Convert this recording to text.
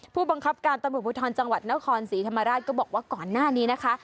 ผู้บังคับการตำรวจภูทรจังหวัดนครศรีธรรมราชก็บอกว่าก่อนหน้านี้นะคะ